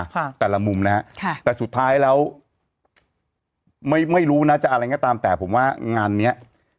แต่ละมุมนะฮะค่ะแต่สุดท้ายแล้วไม่ไม่รู้นะจะอะไรก็ตามแต่ผมว่างานเนี้ย